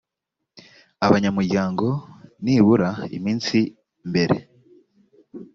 abanyamuryango nibura iminsi mbere